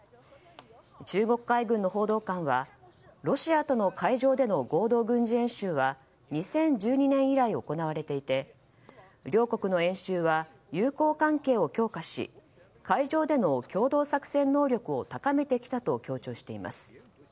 中国海軍の報道官はロシアとの海上での合同軍事演習は２０１２年以来行われていて両国の演習は友好関係を強化し海上での共同作戦能力を高めてきたと強調しています。